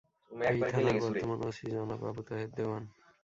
এই থানার বর্তমান ওসি জনাব আবু তাহের দেওয়ান।